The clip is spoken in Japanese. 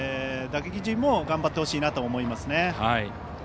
打撃陣も頑張ってほしいなと思いますね。